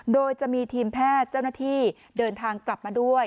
โดยจะมีทีมแพทย์เจ้าหน้าที่เดินทางกลับมาด้วย